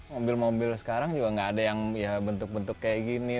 mobil mobil sekarang juga nggak ada yang ya bentuk bentuk kayak gini